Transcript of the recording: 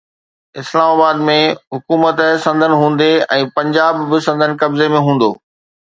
اسلام آباد ۾ حڪومت سندن هوندي ۽ پنجاب به سندن قبضي ۾ هوندو.